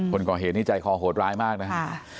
คนก่อเหตุนี่ใจคอโหดร้ายมากนะฮะ